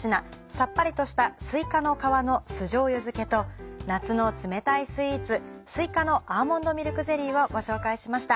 さっぱりとした「すいかの皮の酢じょうゆ漬け」と夏の冷たいスイーツ「すいかのアーモンドミルクゼリー」をご紹介しました。